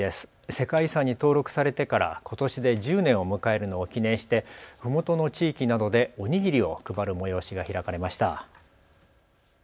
世界遺産に登録されてからことしで１０年を迎えるのを記念して、ふもとの地域などでおにぎりを配る催しが開かれました。